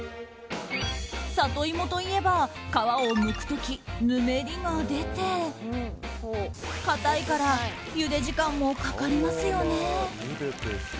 サトイモといえば皮をむく時、ぬめりが出て硬いからゆで時間もかかりますよね。